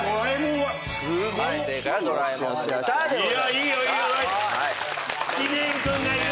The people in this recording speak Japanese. いいよいいよ。